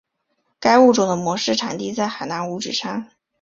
该物种的模式产地在海南五指山。